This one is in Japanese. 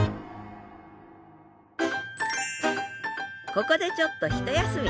ここでちょっとひと休み。